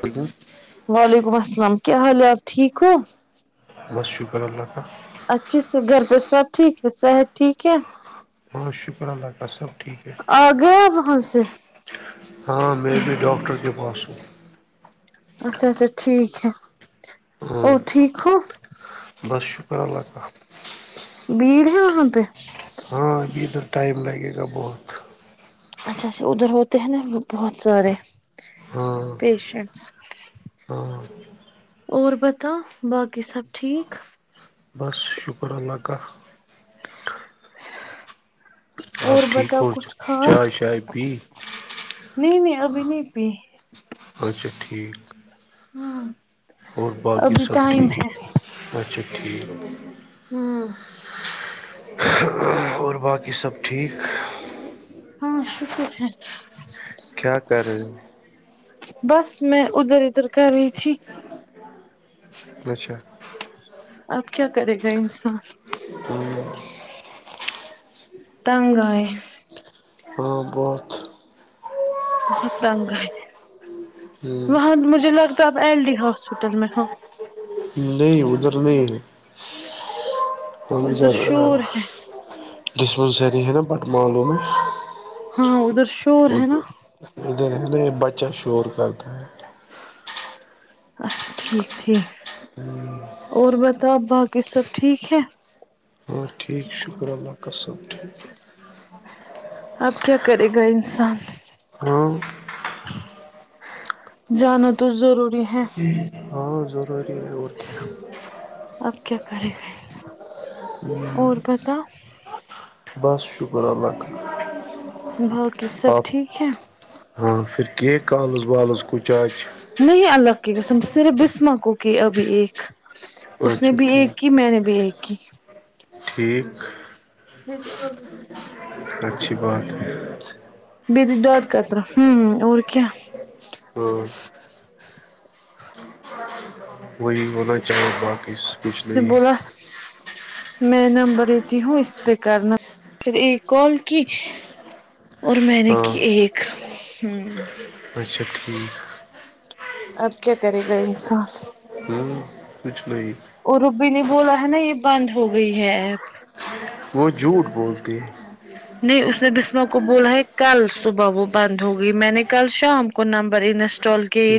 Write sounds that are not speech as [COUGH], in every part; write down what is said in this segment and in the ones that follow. ٹھیک ہے [UNINTELLIGIBLE] وعلیکم السلام کیا حال آپ ٹھیک ہو بس شکر اللہ کا اچھے سے گھر پہ سب ٹھیک ہے صحت ٹھیک ہے بہت شکر اللہ کاا صبٹھیک ہے آگام ہ سے ہاں میں بھی ڈاکٹر کے پاس ہوں اچھا اچھا ٹھیک ہے ہ اور ٹھیک ہو بس شکر اللہ کاال بھیڑ ہے وہاں پہ ہاں ابھی ادھر ٹائم لگے گا بہت اچھا اچھا ادھر ہوتے ہیں نا بہت سارے ہاں پیشنٹ ہاں اور پتاہ باقی سب ٹھیک [UNINTELLIGIBLE] بس شکر اللہ کاال اور آپ ٹھیک بتاؤ ہو کچھ خاص چائے شائے پی نہیں نہیں ابھی نہیں پی اچھا ٹھیک ہاں [UNINTELLIGIBLE] اور باقی سب ٹھیک اچھا ٹھیک ہوں اور باقی سب ٹھیک ہاں شکر ہے کیا کر رہے بس میں ادھر ادھر کر رہی تھی اچھا اب کیا کرے گا انسان ہ تنگائے ہاں بہت بہت دنگ ہے وہاں مجھے لگتا ہے اب ایل ڈی ہاسپٹل میں ہو نہیں ادھر نہیں ادھر شور ہے ڈسپینسری ہے نا بٹ معلو میں ہاں ادھر شور ہے نا ا ن بچہ شور کرتا ہے اچھا ٹھیک ٹھیک اور بتاؤ باقی سب ٹھیک ہے اور ٹھیک شکر اللہ کا سب ٹھیک اب کیا کرے گا انسان ہاں جانا تو ضروری ہے ہاں ضروری ہے وہ اب کیا کرے گا انسان اور بتاؤ بس شکر اللہ کا باقی سب آپ ٹھیک ہے ہاں پھر کی کالز والز کچھ آچ نہیں اللہ کی قسم صرف بسمہ کو کی ابھی ایک اس نے اچھا بھی ایک ٹھیک کی میں نے بھی ایک کی ٹھیک اچھی بات ہے [INAUDIBLE] اور کیا ہوں وہی ہونا چاہیے کچھ سے نہیں بولا میں نمبر دیتی ہوں اس پہ کرنا پھر ایک کال کی اور میں نے ہاں کی ایک اچھا ٹھیک اب کیا کرے گا انسان ہاں کچھ نہیں اررو بی نے بولا ہے نا یہ بند ہو گئی ہے ایپ وہ جھوٹ بولتی ہے نہیں اس نے بسما کو بولا ہے کل صبح وہ بند ہوگئی میں نے کل شام کو نمبر انسٹ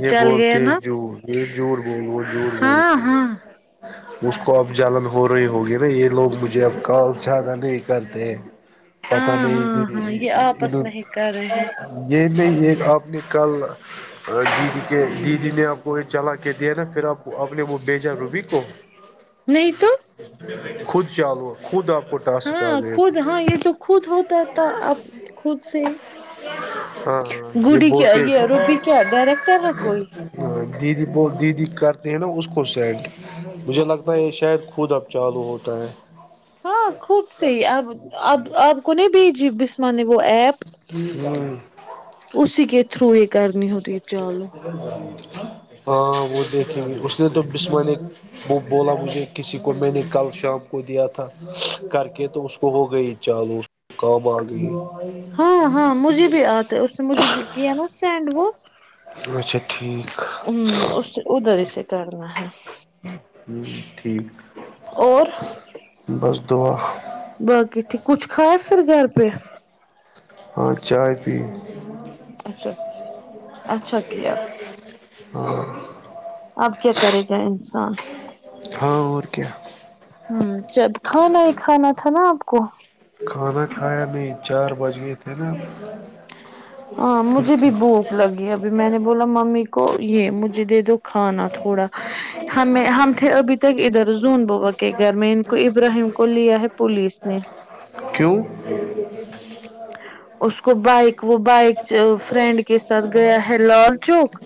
یہ بولتے جھوڑ یہ جھوڑ بول وہ جھوڑ ہاں بولتے ہیں ہاں اس کو اب جالن ہو رہی ہوگی نا یہ لوگ مجھے اب کال زیادہ نہیں کرتے [INAUDIBLE] پتا نہیں ہاں ہاں یہ آپس میں ہی کر رہے ہیں یہ میں یہ آپ نے کل دیدی کے دیدی نے آپ کو یہ چلا کے دیا نا پھر آپ آپ نے وہ بھیجا روبی کو نہیں تو خود چالو خود آپ کو ٹاسک ہاں آجائے خود گا ہاں یہ تو خود ہوتا ہے تو آپ خود سے ہاں ہاں یہ گڈی کیا بولتے یہ روبی کیا ڈائریکٹر ہے کوئی دیدی بول دیدی کرتے ہیں نا اس کو سینڈ مجھے لگتا ہے یہ شاید خود اب چالو ہوتا ہے ہاں خود سے ہی اب آپ کو نہیں بھیجی بسما نے وہ ایپ ہاں اسی کے تھرو یہ کرنی ہوتی چال ہاں وہ دیکھے اس نے تو بسما نے وہ بولا مجھے کسی کو میں نے کل شام کو دیا تھا کر کے تو اس کو ہو گئی چالو کام آ گئی ہاں ہاں مجھے بھی آتے اس نے مجھے کیا نا سینڈ وہ اچھا ٹھیک ہوں اس ادھر ہی سے کرنا ہے ہوں ٹھیک اور بس دعا باقی ٹھیک کچھ کھائے پھر گھر پہ ہاں چائے پی اچھا اچھا کیا [UNINTELLIGIBLE] اب کیا کرے گا انسان ہاں اور کیا ہوں جب کھانا ہی کھانا تھا نا آپ کو کھانا کھایا نہیں چار بج گئے تھے نا ہاں پھر مجھے بھی کیا بھوک لگی ہے میں نے بولا ممی کو یہ مجھے دے دو کھانا تھوڑا ہمیں ہم تھے ابھی تک ادھر زون بوا کے گھر میں ان کو ابراہیم کو لیا ہے پولیس نے کیوں اس کو بائک وہ بائک فرینڈ کے ساتھ گیا ہے لال چوک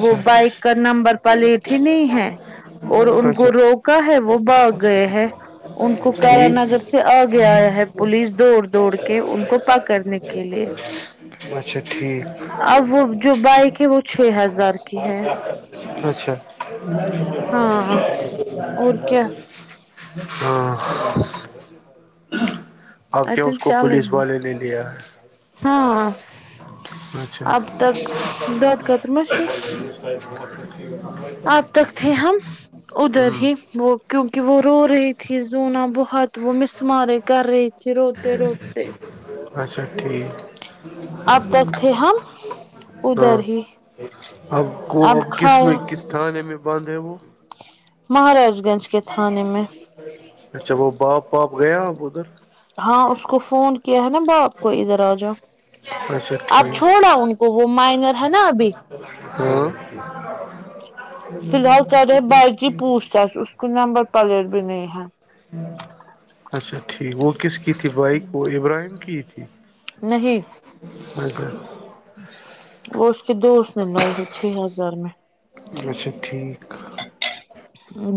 وہ بائک کا نمبر پلیٹ ہی نہیں ہے اور ان کو اچھا روک ہے وہ بھاگ گئے ہیں ان کو کارا ٹھیک نگر سے سے آ گیایا ہے پولیس دوڑ دوڑ کے ان کو پ کرنے کے لیے اچھا ٹھیک اب وہ جو بائک ہے وہ چھ ہزار کی ہے اچھا ہاں اور کیا ہاں- اب کیا اتن اس کو پولیس چلنی والے نے لیا ہے ہاں اچھا اب تک دود قطر مہ چھُ آب تک تھے ہم ادھر ہوں ہی وہ کیونکہ وہ رو رہی تھی زونا بہت وہ مس مار رہے کر رہی تھی- روتے روتے اچھا ٹھیک اب تک تھے ہم ادھر ہاں ہی اب کو اب کس میں کس تھانے میں بند ہے وہ مہاراج گنج کے تھانے میں اچھا وہ باپ باپ گیا آپ ادھر ہاں اس کو فون کیا ہے نا باپ کو ادھر آ جا اچھا اب ٹھیک چھوڑا ان کو وہ مائنر ہے نا ابھی ہاں فی الحال کر رہے بائی جی پوچھ تچھ اس کو نمبر پلیٹ بھی نہیں ہے اچھا ٹھیک وہ کس کی تھی بائک کو وہ ابراہیم کی تھی نہیں اچھا وہ اس کے دوست نے لائی ہے چھ ہزار میں اچھا ٹھیک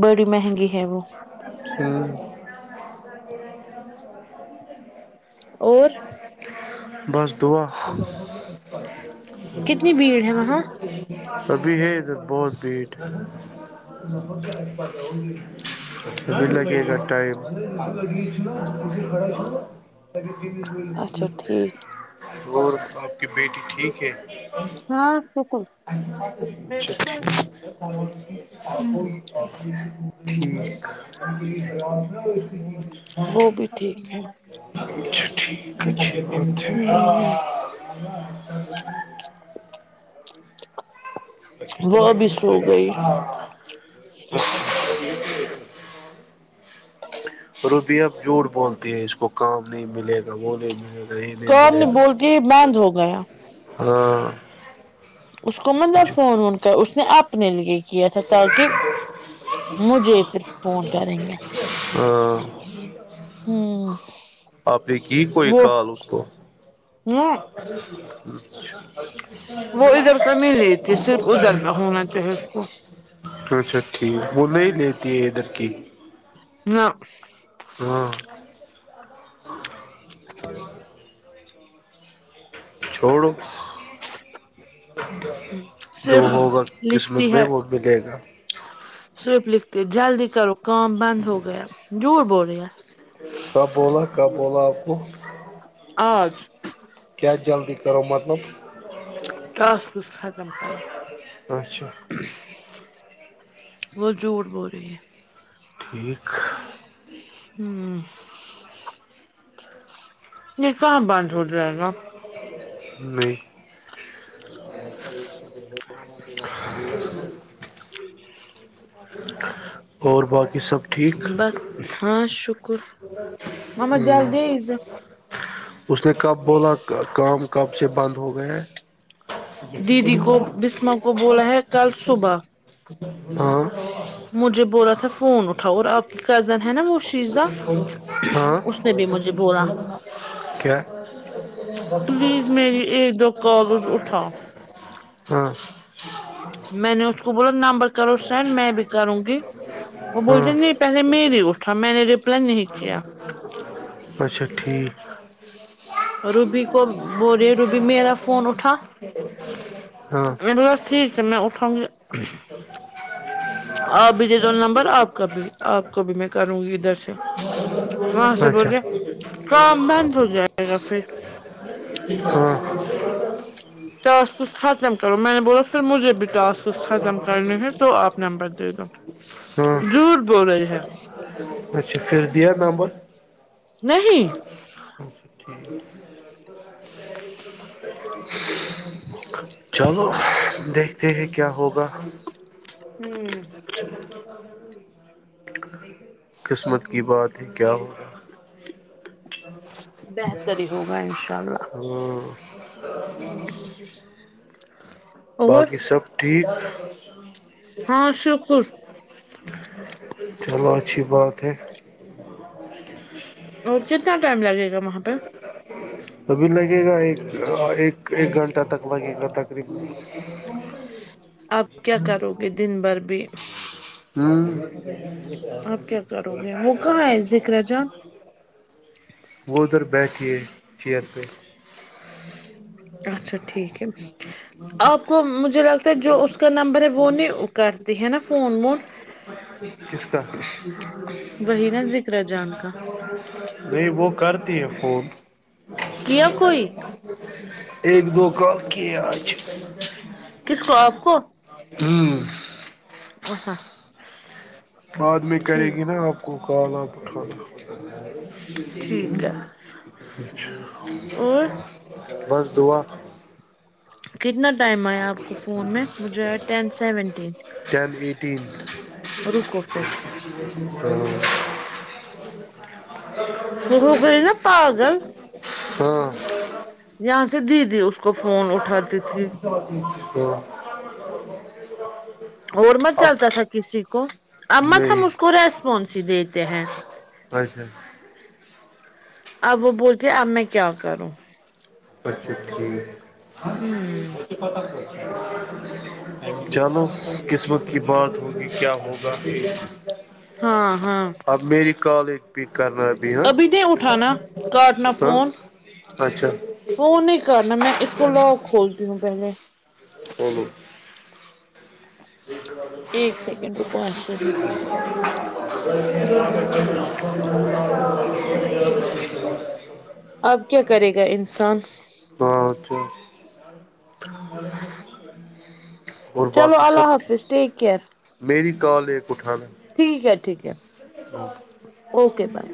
بڑی مہنگی ہے وہ ہوں [UNINTELLIGIBLE] اور بس دعا کتنی بھیڑ ہے وہاں ابھی ہے ادھر بہت بھیڑ سب بھی لگے گا ٹائم اچھا ٹھیک اور آپ کی بیٹی ٹھیک ہے ہاں بالکل اچھا ٹھیک ٹھیک وہ بھی ٹھیک ہے اچھا ٹھیک ہےچ بت ہے وہ بھی سو گئی [UNINTELLIGIBLE] روبی اب جھوٹ بولتی ہے اس کو کام نہیں ملے گا وہ نہیں ملے گا یہ کوم ملے نہیں گا بول کے بد ہو گیا ہاں اس کو مطلب فون وون کر اس نے اپنے لی کیا تھا تاکہ مجھے پھر فون کریں گے ہاں ہوں آپ نے کی کوئی وہ کال اس کو ہ وہ ادھر کا نہیں لیتی صرف ادھر کا ہونا چاہیے اس کو [UNINTELLIGIBLE] اچھا ٹھیک وہ نہیں لیتی ہے ادھر کی نہ ہاں چھوڑو جو صرف ہوگا قسمت میں وہ ملے گا سورپ لکھتے ہو جلدی کرو کام بند ہو گیا جور بول رہیا کب بولا کب بولا آپ کو آ کیا جلدی کرو مطلب توس ک ختم کرو اچھا وہ جھوٹ بول رہی ہے ٹھیک ہوں کا نہیں [UNINTELLIGIBLE] اور باقی سب ٹھیک بس ہاں شکر م ہوں جلدی ایز اس نے کب بولا کام کب سے بند ہو گیا ہے دیدی کو بسما کو بولا ہے کل صبح ہاں مجھے بولا تھا فون اٹھاؤ اور آپ کی کزن ہے نا وہ شیزاں ہاں کیا پلیز میری ایک دو کالز اٹھا ہاں میں نے اس کو بولا نمبر کرو سینڈ میں بھی کروں گی وہ بولتے ہاں نہیں پہلے میری اٹھا میں نے رپلائی نہیں کیا ہ اچھا ٹھیک روبی کو بولے روبی میرا فون اٹھا ہاں بس ٹھیک کر میں اٹھوںں آپ بھی دے دو نمبر آپ کا بھی آپ کو بھی میں کروں گی ادھر سے وہاں سے اچھا بولے کام بند ہو جائے گا پھر ہاں ٹاسکس ختم کرو میں نے بولا پھر مجھے بھی ٹاسکس ختم کرنے ہے تو آپ نمبر دو دو ہاں ضرور بول رہی ہے اچھا پھر دیا نمبر نہیں اچھا ٹھیک [UNINTELLIGIBLE] چ [UNINTELLIGIBLE] [INAUDIBLE] چلو دیکھتے ہیں کیا ہوگا ہوں س [UNINTELLIGIBLE] [INAUDIBLE] قسمت کی بات ہے کیا ہو رہا بہتر ہی ہوگا انشاء اللہ ہاں [UNINTELLIGIBLE] باقی سب ٹھیک ہاں سپٹ چلو اچھی بات ہے اور کتنا ٹائم لگے گا وہاں پہ [UNINTELLIGIBLE] آپ کیا کرو گے دن بھر بھی آپ کیا کرو گے وہ کہاں ہے ذکر جان ہوں [UNINTELLIGIBLE] اچھا ٹھیک ہے آپ کو مجھے لگتا ہے جو اس کا نمبر ہے وہ نہیں کر د ہے نا فون مون اسس کار وہی نا ذکر جان کا نہیں وہ کرتی ہے فون کیا کوئی ایک دو کا کی آ کس کو آپ کو ہوں ا ہاں بعد میں کرے ٹھیک گی نا آپ کو کالا آپ اٹھانا ٹھیک ہے اور بس دعا کتنا ٹائم آیا آپ کو فون میں وہ جو ہے ٹین سیونٹین ٹین ایٹین رکو پھر م گی نا پاگل ہاں یہاں سے دی دی اس کو فون اٹھاتی تھی ا [UNINTELLIGIBLE] اور مت چلتا تھا کسی کو ا مت ہم نہیں اس کو ریسپانس ہی دیتے ہیں اچھا اب وہ بولتے اب میں کیا کروں اچھا ٹھیک ہوں جانو قسمت کی بات ہوگی کیا ہوگا ہاں ہاں اب میری کال ایک پک کرنا ہے ابھی ہے نہیں اٹھانا کاٹنا ہ فون اچھا فون نہیں کرنا میں اس کو لاک کھولتی ہوں پہلے ہ ہ [UNINTELLIGIBLE] [INAUDIBLE] ایک سیکنڈ رکو ایسے ہی ج [INAUDIBLE] [UNINTELLIGIBLE] اب کیا کرے گا انسان ہاں تو چلو اللہ حافظ ٹیک کئر میری کال ایک اٹھان ٹھیک ہے ٹھیک ہے اوکے بائے